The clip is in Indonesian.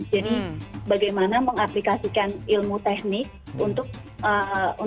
jadi bagaimana mengaplikasikan ilmu teknik untuk di aplikasikan